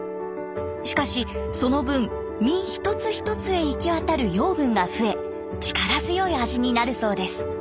しかしその分実一つ一つへ行き渡る養分が増え力強い味になるそうです。